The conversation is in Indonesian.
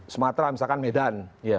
sumatera misalkan medan